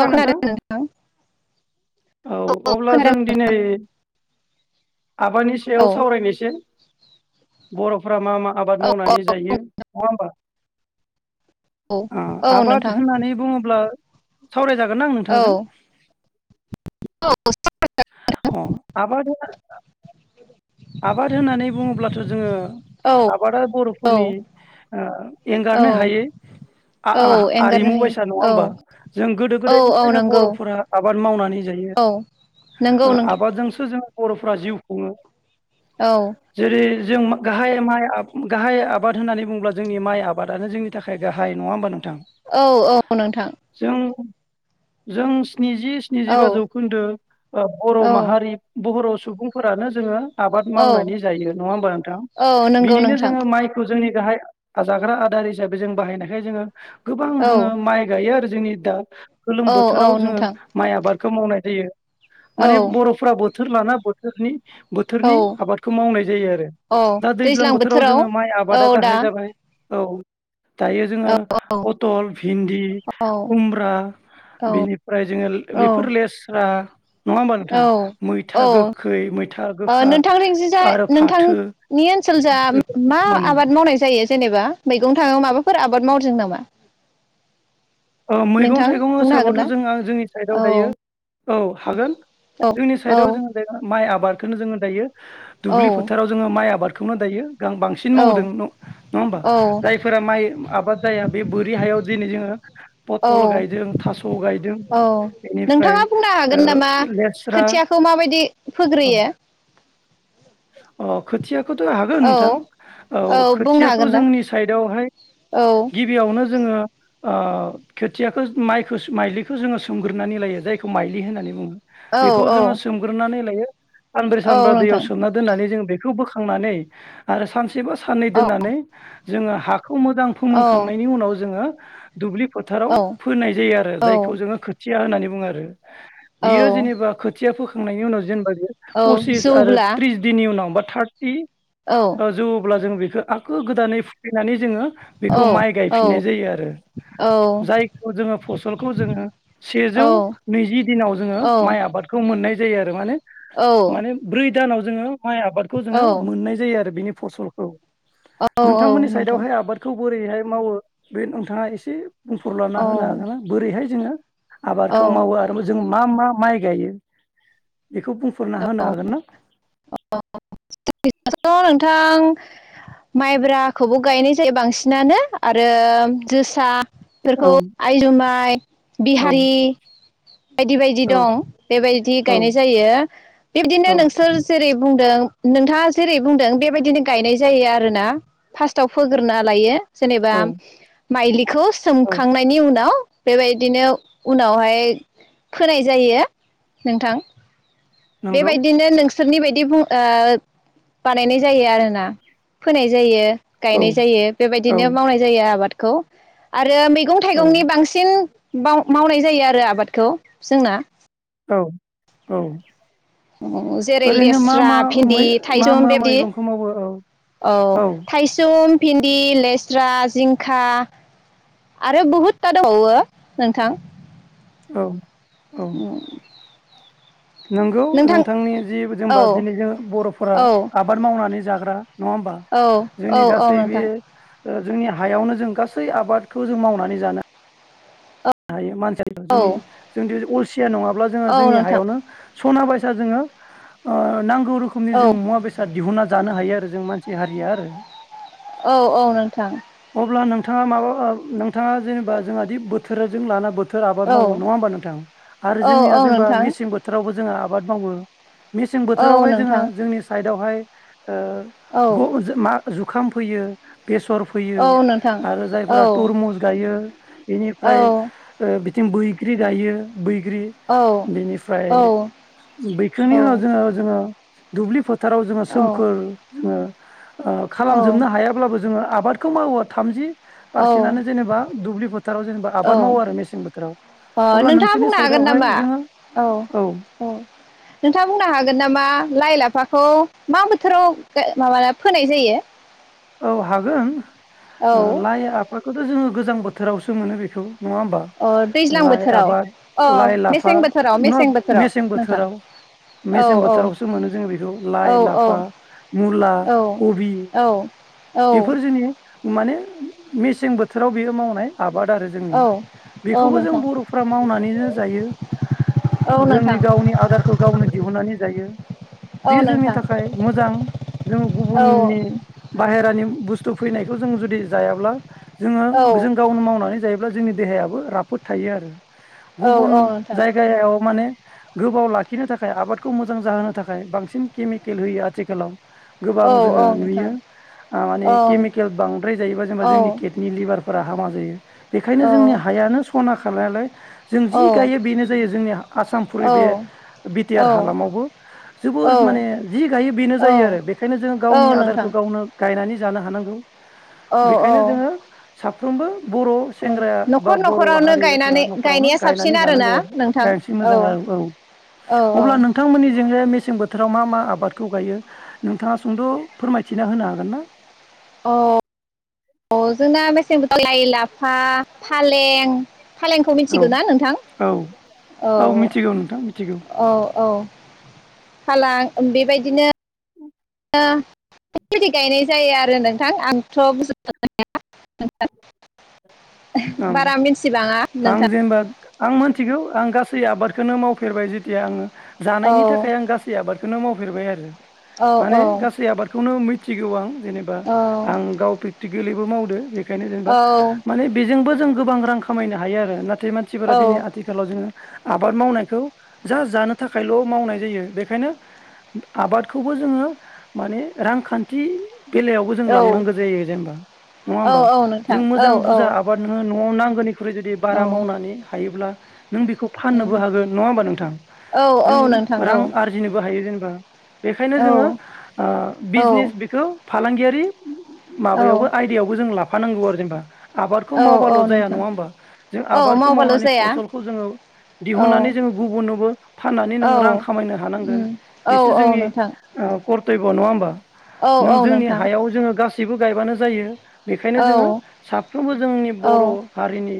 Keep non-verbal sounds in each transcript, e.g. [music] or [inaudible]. औ खोनादों नोंथां। औ अब्ला जों दिनै आबादनि सायाव औ सावरायनोसै? बर'फो रा मा मा आबाद औ मावनानै जायो नङा होमबा औ औ औ आबाद नोंथां होननानै बुङोब्ला सावरायजागोन ना आं औ नोंथांजों? [unintelligible] अ आबाद होनना आबाद होननानै बुङोब्लाथ' जोङो औ आबादा औ बर'फोरनि ओ औ एंगारनो हायै औ एंगारनो आ-आ-आरिमु बायसा नङा हायो होमबा जों गोदो औ औ औ गोदायनिफ्रायनो नंगौ बर'फोरा आबाद मावनानै जायो औ नंगौ ओ नोंथां आबादजोंसो जों बर'फ्रा जिउ खुङो। औ जेरै जों गाहाय माइ गाहाय आबाद होननानै बुङोब्ला जोंनि माइ आबादानो जोंनि थाखाय गाहाय नङा होनोमबा नों औ औ नोंथां। जों स्निजि औ सिनिजिबा जौखोन्दो ओं बर' औ माहारि बर' सुबुं सुबुंफोरानो जोङो आबाद औ मावनानै जायो नङा होमबा नोंथां औ नंगौ बिनिनो नोंथां जोङो माइखौ जोंनि गाहाय जाग्रा आदार हिसाबै जों बाहायनायखाय जोङो गोबां औ जोङो माइ गायो आरो जोंनि दा गोलोम औ औ बोथोराव जोङो नोंथां माइ आबाद खौ मावनाय जायो औ माने बर'फोरा बो थोर लाना बोथोरनि औ थोरनि आबादखौ मावनाय जायो आरो। दा दैज्लां बोथोराव जोङो माइ औ आबादा दा गाहाय जाबाय। औ दायो जोङो औ औ फथल, भिन्दि, औ खुमब्रा बेनिफ्राय जोङो बेफोर लेस्रा नङा होमबा नोंथां? औ औ मैथा गोखै मैथा गो ओ नोंथांनि जाय नोंथांनि ओनसोल जा बेफोरखौ मा मोनो आबाद मावनाय जायो जेनेबा मैगं थाङाव माबाफोर आबाद मावदों नामा? ओ मैगं नोंथां थाइगं बुंनो हागोन हसाबथ ना जोंहा जोंनि साइदाव औ दायो औ हागोन औ जोंनि औ साइडआव जोङो बे माइ आबाद खौनो जोङो दायो औ दुब्लि फोथाराव जोङो माइ आबाद खौनो दायो गां बांसिन मावदों न'-नङा होमबा? औ जायफोरा माइ आबाद जाया बे बोरि हायाव दिनै जोङो औ पथल गायदों थास' गायदों औ बेनिफ्राय नोंथाङा बुंनो ओ हागोन नामा लेस्रा खोथियाखौ माबायदि फोग्रोयो? अ खोथिया खौथ' हागोन औ नोंथां औ बुंनो खोथियाखौ हागोन दा जोंनि सहाय औ गिबियावनो जोङो ओ खोथियाखौ माइखौ माइलिखौ जोङो सोमग्रोनानै लायो जायखौ माइलि होननानै बुङो। औ बेखौ औ जोङो सोमग्रोनानै लायो सानब्रै औ सानबा नोंथां दैयाव नानै जों बेखौ बोखांनानै आरो सान सेबा साननै औ दोननानै जोङो हा खौ मोजां औ फोमोनखांनायनि उनाव जोङो [inaudible] दुब्लि फोथाराव औ फोनाय जायो आरो औ जायखौ जोङो खोथि या होननानै बुङो आरो। औ बियो जेनेबा खोथिया फो [unintelligible] नायनि उनाव जेनेबा औ जौब्ला [unintelligible] नि उनाव बा थार्टि औ जौयोब्ला जों बे ओ आखै गोदानै फुफिननानै जोङो बेखौ औ माइ औ गायफिननाय जायो आरो औ जायखौ जोङो फसलखौ जोङो सेजौ औ नैजि दिनाव जोङो औ माइ आबादखौ मोननाय जायो आरो माने औ माने ब्रै दानाव जोङो माय आबादखौ जोङो औ मोननाय जायो आरो बेनि फसलखौ औ औ नोंथांमोननि नोंथां। साइडआवहाय आबादखौ बोरैहाय मावो बे नोंथाङा एसे बुंफोरलाना औ होनो हागोन ना बोरैहाय बिदिनो आबादखौ औ मावो आरो जों मा मा माइ गायो बेखौ बुंफोरना होनो हागोन ना जोंनिखैथ' नोंथां माइब्राखौबो गायनाय जायो बांसिनानो आरो जोसा औ बेखौ आइ जुमाइ औ बिहारि बायदि बायदि औ दं बेबायदि औ गायनाय जायो बेबायदिनो औ नोंसोर जेरै बुंदों नोंथाङा जेरै बुंदों बेबायदिनो गायनाय जायो आरोना फार्स्टआव फोग्रोना लायो जेनेबा औ माइलि खौ औ सोमखांनायनि उनाव बेबायदिनो उनावहाय फोनाय जायो नोंथां नंगौ बेबायदिनो नों सोरनि बायदि बु बानायनाय जायो आरोना फोनाय जायो गायनाय औ जायो औ बेबायदिनो मावनाय जायो आबाद खौ आ आरो मैगं थाइगंनि औ बांसिन माव-मावनाय जायो आरो आबादखौ जोंना औ औ अ जेरै ओरैनो मा लेस्रा मा भिन्दि मै मा थाइसुम मा बेबदि मैगंखौ मावो औ औ थाइसुम भिन्दि लेस्रा जिंखा आरो बुहुदथा दंबावो नोंथां औ उम नोंगौ नोंथांनि जि जोंबा औ दिनै जों बर'फोरा औ आबाद मावनानै जा ग्रा नङा होमबा औ औ जोंनि औ गासै बे नोंथां ओ जोंनि हायावनो जों गासै आबादखौ जों मावनानै जानो हायो मान सि औ जोंनि जोंनि अल सिया नङाब्ला जोङा औ जोंनि नोंथां हायावनो सना बाय सा जोङो ओ नां गौ रोखोमनि औ जों मुवा बेसाद दिहुन जानो हायो आरो जों मानसि हारिया आरो औ औ नोंथां थाङा माबा ओ नोंथाङा जेनेबा जोंहादि बो थोरजों लाना बो थोर आबाद औ मावो नङा होमबा नोंथां आरो औ जोंनिया औ जेनेबा नोंथां मेसें बोथावबो जोङा आ बाद मावो मेसें औ बोथोरावहाय जोङो नोंथां जोंनि साइड बेवहाय ओ औ गु जो मा जुखाम फैयो बेसर फोयो औ नोंथां आरो औ जायफ्रा तरमुस गायो बेनि औ ओमफ्राय ओ बिथिं बैग्रि गायो बैग्रि औ बेनिफ्राय औ बैखांनि उनाव जोङो जोङो दुबलि फो थाराव जोङो सोमखोर औ जोङो ओ ओ खालामजोबनो हायाब्लाबो जोङो आ बादखौ मावो थामजि औ पारसेटआनो जेनेबा दुब्लि फोथाराव जेनेबा औ आबाद मावो आरो मेसें बोथोराव अ अब्ला नोंथाङा नोंसोरनि बुंनो हागोन साइडआवहाय नामा जोङो औ औ नोंथाङा बुंनो हागोन नामा लाइ लाफाखौ मा बोथोराव फोनाय जायो? औ हागोन। ओ औ लाय ला बेखौथ' जोङो गोजां बोथोरावसो मोनो बेखौ। नङा होमबा? अ दैज्लां लाइ बोथोराव आबाद अ लाइ लाफा मेसें बोथोराव ना मेसें बोथोराव मेसें नोंथां बोथोराव औ मेसें औ बोथोरावसो मोनो जोङो बेखौ। औ लाइ, लाफा, मुला, औ कबि, औ औ बेफोर जोंनि माने मेसें बोथोराव बियो मावनाय आबाद आरो जोंनि। औ औ बेखौबो जों नोंथां बर'फ्रा मावनानैनो जायो औ नोंथां जोंनि गावनि आदारखौ गावनो दिहुननानै जायो। औ बियो जोंनि नोंथां थाखाय मोजां जों औ गुबुननि बाहेरानि बुस्थु फैनायखौ जों जुदि जायाब्ला जोङो औ जों गावनो मावनानै जायो अब्ला जोंनि देहायाबो राफोद थायो आरो। औ गुबुन औ नोंथां जायगायाव माने गोबाव लाखिनो थाखाय आबादखौ मोजां जाहोनो थाखाय बांसिन केमिकेल होयो आथिखालाव। गोबां औ जोङो औ नोंथां नुयो। ओ माने औ केमिकेल बांद्राय जायोबा जेनेबा औ जोंनि केटनि, लिभार, फोरा हामा जायो। बेखायनो औ जोंनि हायानो सना खा नालाय जों जि गायो बेनो जायो। जोंनि आसामफोरि बे औ बिटिआर हालामावबो जोबोर माने जि गायो बेनो जायो। आरो बेखायनो जोङो औ गावनि आदारखौ नोंथां गावनो गायनानै जानो हानांगौ। औ औ बेखायनो जोङो साफ्रोमबो बर' सेंग्राया बा न'खर बर' न'खरावनो हारिफोरा गायनानै न'खरावनो गायनाया गायनानै साबसिन आरोना जानांगौ आरो नोंथां गायसै मोजां आरो औ औ औ औ अब्ला नोंथांमोननि जोङो मेसें बोथोराव मा मा आबादखौ गायो नोंथाङा सुंद फोरमाय थिना होनो हागोन ना? अ जोंना मेसें बोथोराव लाय ला फा फालें, फालेंखौ औ मिथिगौ ना नोंथां? औ औ मिथिगौ नोंथां मिथिगौ औ औ फालां बेबायदिनो गायनाय जायो आरो नोंथां आंथ' बुंजोबनो हाया नोंथां। ओं आं नोंथां जेनेबा आं मिथिगौ आं गा सै आबादखौनो मावफेरबाय जेथिया आङो औ जानायनि थाखाय आं गासै आबादखौनो मावफेरबाय आरो औ औ माने गासै आबादखौनो मि थिगौ आं। जेनेबा औ आं गाव गोरलैबो मावदो। बेखायनो जेनेबा औ माने बेजोंबो जों गोबां रां खामायनो हायो आरो नाथ नाथाय मानसिफोरा औ दिनै आथिखालाव जोङो आबाद मावनायखौ जा जानो थाखायल' मावनाय जायो बेखायनो आबादखौबो जोङो माने रांखान्थि बेलायावबो जों औ लांनांगौ जायो जेनेबा नङा औ होमबा औ नोंथां जों औ मोजां औ बुरजा न'आव नांगौनि बेख्रु जुदि औ बारा मावनानै हायोब्ला। नों बेखौ फाननोबो हागोन नङा होमबा नोंथां औ औ जों नोंथां औ रां आरजिनोबो हायो। [inaudible] बेनिखायनो जोङो ओ औ बिजनेस बेखौ फालांगियारि आरो औ माबायावबो आइदिायावबो जों लाब फांननांगौ आरो जेनबा खौ औ औ मावबाल' जाया नोंथां नङा होमबा जों औ आबादखौ मावबाल' मावनानै जाया फसलखौ जोङो औ दिहुननानै जोङो गुबुननोबो फाननानै नों औ रां खामायनो हानांगोन उम औ बेसो औ जोंनि नोंथां फर नङा होमबा? औ नों औ जोंनि नोंथां हायाव जोङो गासैब जेबो गायबानो जायो। बेखायनो औ जोङो साफ्रोमबो जोंनि औ बर' हारिनि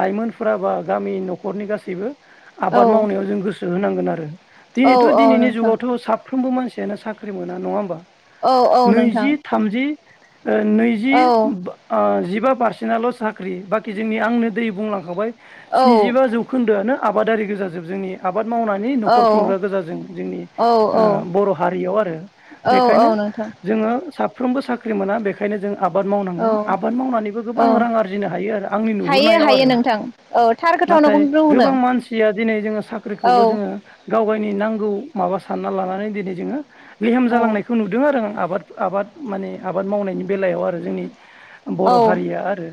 लाइमोनफोरााबा गामि न'खरनि गासैबो औ आबाद मावनायाव जों गोसो होनांगो। खोनादों। औ दिनैथ' औ दिनैनि नोंथां जुगावथ' साब सफ्रोमबो मानसियानो साख्रि मोन नङा होनोमबा। औ औ नोंथां। नैजि जिबा बिसिनाल' साख्रि बाखि जोंनि आंनो दै बुंलांखाबाय। स्निजिबा जौखोन्दोआनो आबादारि गोजाजोब जोंनि आबाद मावनानै न'खर औ औ खुंग्रा गोजााजों जोंनि बर' हारियाव आरो औ औ बेखायनो नोंथां जोङो सा साफ्रोमबो साख्रि मोना बेखायनो जों आबाद मावनांगोन औ आबाद मावनानैबो औ गोबां रां आरजिनो हायो आरो आंनि हायो नुहुरनायाव हायो आरो नोंथां औ थार खोथावनोखौनो नाथाय बुंदों गोबां मानसिया दिनै जोङो साख्रिखौल' औ जोङो गाव गावगायनि नांगौ माबा सानना लानानै दिनै जोङो लेहेम औ जालांनायखौ नुदों आरो आं आबाद आबाद माने आबाद मावनायनि बेलायाव आर रो जोंनि बर' औ हारिया आरो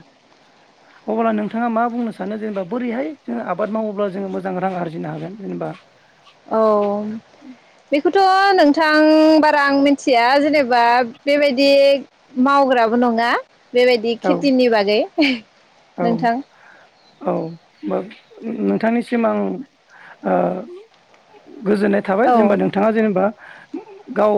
अब्ला नोंथाङा मा बुंनो सानो जेनेबा बोरैहाय जोङो आबाद मावोब्ला जोङो मोजां रां आरजिनो हागोन जेनेबा औ बे खौथ' नोंथां बारा आं मिथिया जेनेबा बेबायदि मावग्राबो नङा बेबायदि औ खेथिनि बागै [inaudible] औ नोंथां औ नोंथांनिसिम आं ओ गोजोननाय थाबाय औ जेनेबा नोंथाङा जेनेबा गाव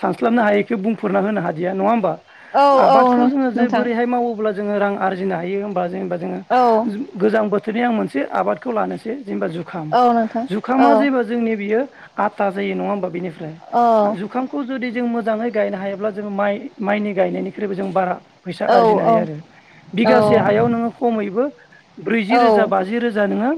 सानस्लाबनो हायिखौ बुंफोरना होनो हादिया नङा होमबा औ आबादखौ औ जोङो जे नोंथां बोरैहाय मावोब्ला जोङो रां आर जिनो हायो होनबा जेनबा जोंङो औ गोजां बोथ थोरनि आं मोनसे आबादखौ लानोसै जेनेबा जुखाम औ नोंथां जुखामा औ जेबो जोंनि बियो आथा जायो नङा होनबा बिनिफा फ्राय औ जुखामखौ जुदि जों मोजाङै गायनो हायोब्ला जोंङो माइ माइनि गायनायनिख्रुइबो जों बारा फैसा औ आरजिनो हायो आरो औ बिगासे हायाव नोङो खमैबो ब्रैजि औ रोजा बाजि रोजा नोङो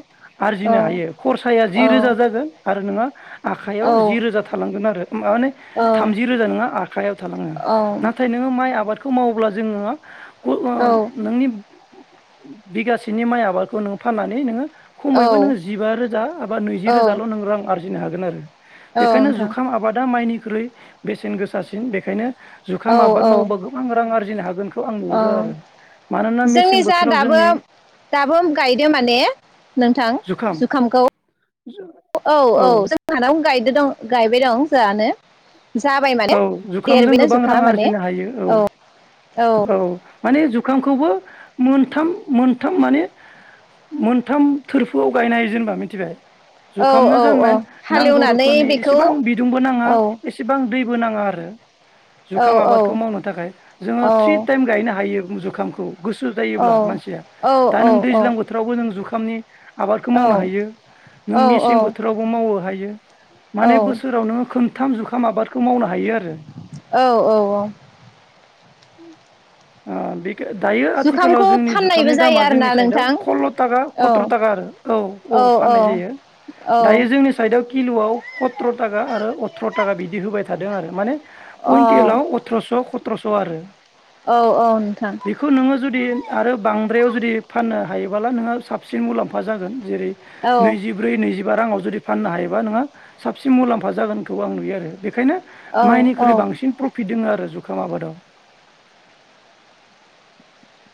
औ आरजिनो हायो खरसाया जि औ रोजा जागोन आरो नोङो आखायाव जि रोजा थालांगोन आरो माने थामजि रोजा नोंङा आखायाव थालाङो औ नाथाय नोङो माइ आबाद खौ मावोब्ला जोङो औ नोंनि बिगासेनि माइ आबादखौ नों फाननानै नोङो खमैबो नोंङो जिबा रोजा एबा नैजि औ रोजाल' नों रां आरजिनो हागोन। गोन आरो बेखायनो नोंथां जुखाम आबादा माइनि गोख्रै बेसेन गोसासिन बेखायनो जुखाम औ आबाद औ मावोबा गोबां रां आरो बिनो हागोन आं औ नुुहरो आरो मानोना जोंनि मेसें जा बोथोराव दाबो जोंनि दाबो गायदो माने नोंथां जुखाम जुखामखौ औ औ जों हानाव गायदों दं गायबाय दं जोंहानो जाबाय माने औ जुखामजों देरबायनो गोबां रां जुखामा माने आरजिनो हायो औ औ माने जुखामखौबो मोनथाम मोन। मोनथाम माने मोनथाम थोरफुआव गायनाय जेनेबा मिथिबाय औ जुखामनो औ औ जानमोन नांगौ हालेवनानै रोखोमनि बेखौ एसेबां बिदुंबो नाङा औ एसेबां दै। गोनाङा आरो औ जुखाम औ आबादखौ मावनो थाखाय जोङो औ थि टाइम गायनो हायो जुखामखौ गुसो औ जायोब्ला मानसिया औ दा नों औ दैज्लां बोथोरावबो जों जु थनि आबादखौ औ मावनो हायो नों औ मेसें बोथोरावबो मावो हायो। माने बोसोरावनों खोन थाम जुखाम आबाद खो मावना- औ औ औ आ बे दा दायो आथिखालाव जुखामखौ जोंनि फाननायबो जुखामनि जायो दामा आरोना जोंनि साइदआव नोंथां खल्ल' थाखा औ खथ्र' थाखा आरो औ औ फाननाय जायो दायो औ जोंनि साइदआव खि किल'आव खथ्र' थाखा आरो अथ्र' थाखा बिदि होबाय थादों आरो माने। औ कुइन्टेलाव अथ्र'स' ख अथ्र'स' आरो औ औ नोंथां बेखौ नोङो जुदि आरो बांद्रायाव जुदि फाननो हायोब्लाला नोङो साबसिन मुलाम्फा जागोन। जेरै औ नैजिब्रै नैजि राङाव जुदि फाननो हायोबा नोंङहा साबसिन मुलाम्फा जागोनखौ आं नुयो आरो बेखायनो औ औ माइनिख्रुइ बांसिन प्रफिट दङ। आरो जुखाम आबादाव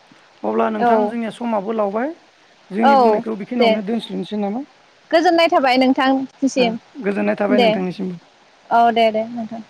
[inaudible] अब्ला औ नोंथां जोंनिया समाबो लावबाय औ जोंनि बुंनायखौ दे बेखिनियावनो दोनस्ल'नोसै नामा गोजोननाय थाबाय ओ नोंथांसिम गोजोननाय थाबाय दे नोंथांनिसिम औ दे दे नोंथां